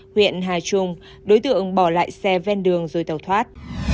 huyện hà trung đối tượng bỏ lại xe ven đường rồi tàu thoát